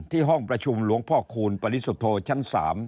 ห้องประชุมหลวงพ่อคูณปริสุทธโธชั้น๓